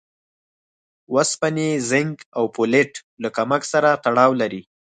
اوسپنې، زېنک او فولېټ له کمښت سره تړاو لري.